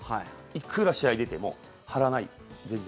いくら試合出ても張らない、全然。